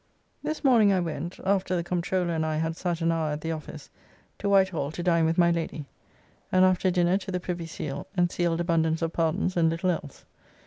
This morning I went (after the Comptroller and I had sat an hour at the office) to Whitehall to dine with my Lady, and after dinner to the Privy Seal and sealed abundance of pardons and little else.